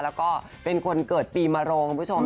แล้วก็เป็นคนเกิดปีมโรงคุณผู้ชม